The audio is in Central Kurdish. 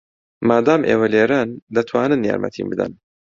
مادام ئێوە لێرەن، دەتوانن یارمەتیم بدەن.